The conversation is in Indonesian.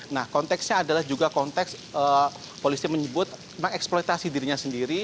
nah konteksnya adalah juga konteks polisi menyebut mengeksploitasi dirinya sendiri